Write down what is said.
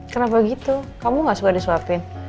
kenapa gitu kamu gak suka disuapin